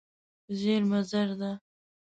زېرمه زر ده.